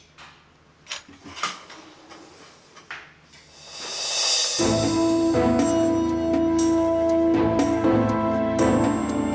oke makasih ya